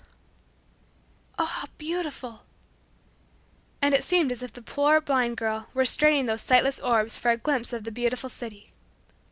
"Oh, how beautiful!" And it seemed as if the poor blind girl were straining those sightless orbs for a glimpse of the Beautiful City.